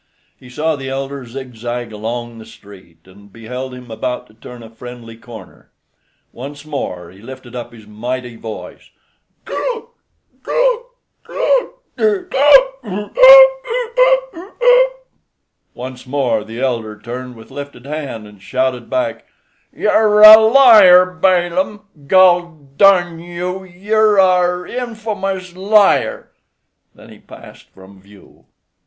He saw the elder zigzag along the street, and beheld him about to turn a friendly corner. Once more he lifted up his mighty voice: "Drunk, drunk, drunk, drer unc, drer unc, erunc, unc, unc." Once more the elder turned with lifted hand and shouted back: "You're a liar, Balaam, goldarn you! You're er iffamous liar." Then he passed from view.